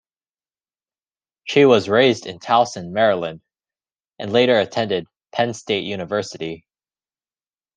She was raised in Towson, Maryland, and later attended Penn State University.